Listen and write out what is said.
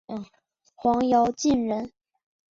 黄兆晋人。